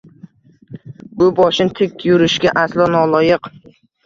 Bu boshim tik yurishga aslo noloyiq